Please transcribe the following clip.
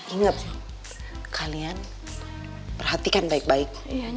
ingat kalian perhatikan baik baik